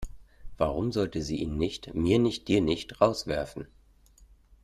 Warum sollte sie ihn nicht, mir nicht dir nicht, rauswerfen?